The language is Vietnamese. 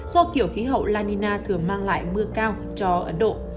do kiểu khí hậu lanina thường mang lại mưa cao cho ấn độ